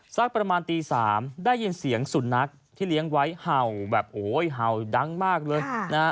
สักประมาณตี๓ได้ยินเสียงสุนัขที่เลี้ยงไว้เห่าแบบโอ้ยเห่าดังมากเลยนะฮะ